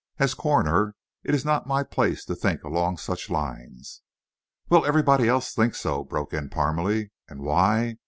As coroner it is not my place to think along such lines." "Well, everybody else thinks so," broke in Parmalee. "And why?